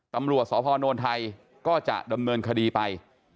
ตำรวจสพนไทยก็จะดำเนินคดีไป